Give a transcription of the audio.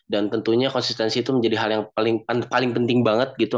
dan tentunya konsistensi itu menjadi hal yang paling penting banget gitu